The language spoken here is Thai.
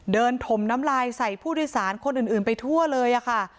ถมน้ำลายใส่ผู้โดยสารคนอื่นไปทั่วเลยค่ะ